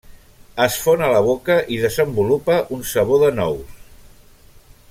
Es fon a la boca, i desenvolupa un sabor de nous.